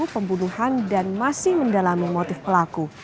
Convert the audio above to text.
pembunuhan dan masih mendalami motif pelaku